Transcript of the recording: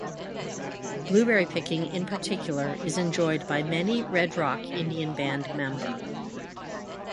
Blueberry picking in particular is enjoyed by many Red Rock Indian Band member.